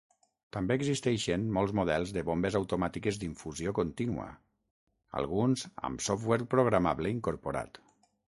També existeixen molts models de bombes automàtiques d'infusió contínua, alguns amb software programable incorporat.